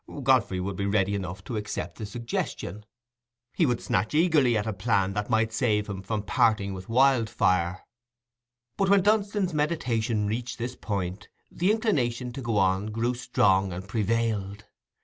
Godfrey would be ready enough to accept the suggestion: he would snatch eagerly at a plan that might save him from parting with Wildfire. But when Dunstan's meditation reached this point, the inclination to go on grew strong and prevailed.